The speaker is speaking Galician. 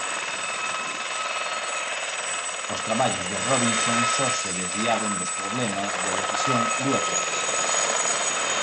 Os traballos de Robinson só se desviaron dos problemas de decisión dúas veces.